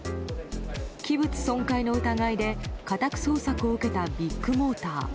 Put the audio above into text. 器物損壊の疑いで家宅捜索を受けたビッグモーター。